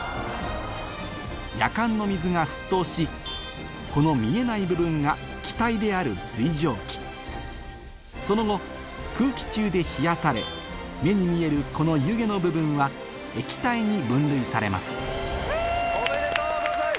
やかんの水が沸騰しこの見えない部分が気体である水蒸気その後空気中で冷やされ目に見えるこの湯気の部分は液体に分類されますおめでとうございます！